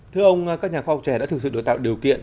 thưa ông các nhà khoa học trẻ đã thực sự được tạo điều kiện